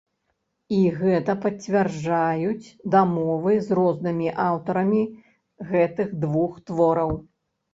І гэта пацвярджаюць дамовы з рознымі аўтарамі гэтых двух твораў.